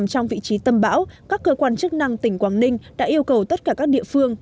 trong vị trí tâm bão các cơ quan chức năng tỉnh quảng ninh đã yêu cầu tất cả các địa phương